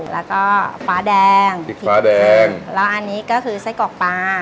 แล้วก็ฟ้าแดงพริกฟ้าแดงแล้วอันนี้ก็คือไส้กรอกปลา